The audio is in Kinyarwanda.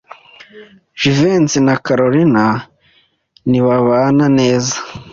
Jivency na Kalorina ntibabana neza.